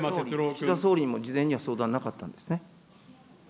岸田総理にも事前に相談なかったんですね。